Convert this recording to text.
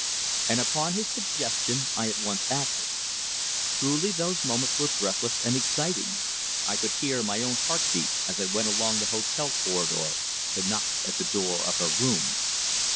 And upon his suggestion I at once acted. Truly those moments were breathless and exciting. I could hear my own heart beat as I went along the hotel corridor to knock at the door of her room.